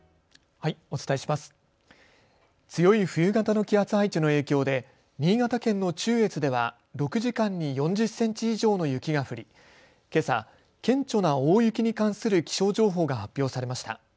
強い冬型の気圧配置の影響で新潟県の中越では６時間に４０ｃｍ以上の雪が降り今朝、顕著な大雪に関する気象情報が発表されました。